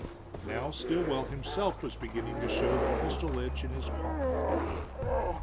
Now Stilwell himself was beginning to show the pistol itch in his palm.